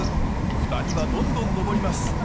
２人はどんどん上ります。